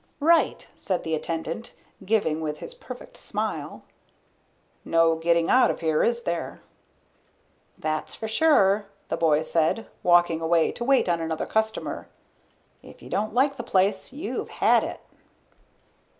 "Right," said the attendant, giving with his perfect smile. "No getting out of here, is there?" "That's for sure," the boy said, walking away to wait on another customer. "If you don't like the place, you've had it."